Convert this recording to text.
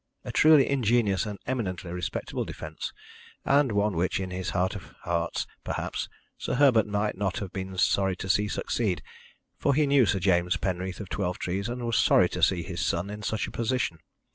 A truly ingenious and eminently respectable defence, and one which, in his heart of hearts, perhaps, Sir Herbert might not have been sorry to see succeed, for he knew Sir James Penreath of Twelvetrees, and was sorry to see his son in such a position.